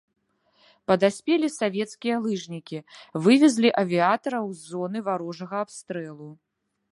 Падаспелі савецкія лыжнікі, вывезлі авіятараў з зоны варожага абстрэлу.